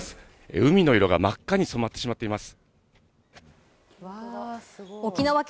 海の色が真っ赤に染まってしまっています。